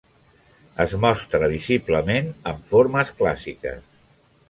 Es mostra visiblement amb formes clàssiques.